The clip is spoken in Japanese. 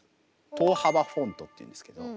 等幅フォントっていうんですけど。